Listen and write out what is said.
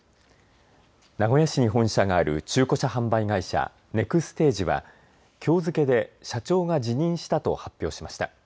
名古屋市に本社がある中古車販売会社ネクステージはきょう付けで社長が辞任したと発表しました。